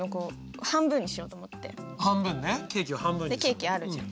ケーキあるじゃん。